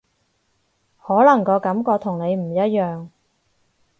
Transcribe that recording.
可能個感覺同你唔一樣